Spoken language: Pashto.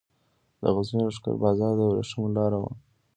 د غزني لښکر بازار د ورېښمو لارې و